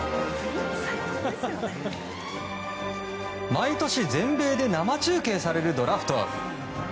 毎年、全米で生中継されるドラフト。